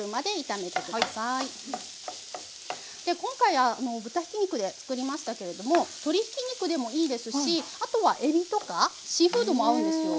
今回豚ひき肉で作りましたけれども鶏ひき肉でもいいですしあとはえびとかシーフードも合うんですよ。